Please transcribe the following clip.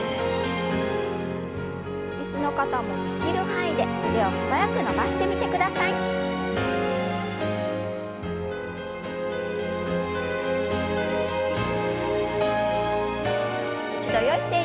椅子の方もできる範囲で腕を素早く伸ばしてみてください。